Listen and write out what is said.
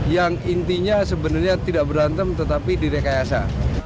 yang intinya sebenarnya tidak berantem tetapi direkayasa